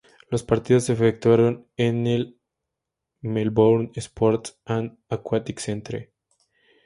Los partidos de efectuaron en el Melbourne Sports and Aquatic Centre.